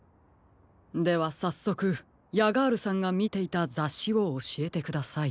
ではさっそくヤガールさんがみていたざっしをおしえてください。